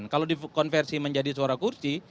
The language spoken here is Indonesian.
kalau dikonversi menjadi suara kursi